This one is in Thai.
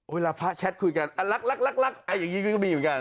เวลาพระแชทคุยกันลักอย่างนี้ก็มีเหมือนกัน